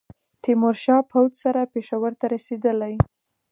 تېمورشاه پوځ سره پېښور ته رسېدلی.